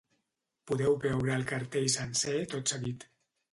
Podeu veure el cartell sencer tot seguit.